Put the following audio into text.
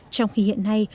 trong khi hiện nay